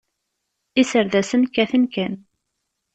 Iserdasen kkaten kan.